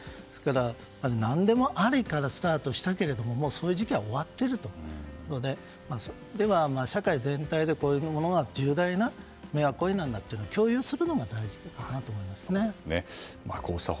何でもありからスタートしたけれどももう、そういう時期は終わっていますしでは、社会全体でこういうものが重大な迷惑行為なんだと共有するのが大事かなと思いましたね。